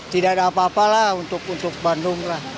tidak ada apa apa lah untuk bandung lah